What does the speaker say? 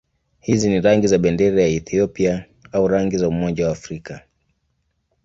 Hizi ni rangi za bendera ya Ethiopia au rangi za Umoja wa Afrika.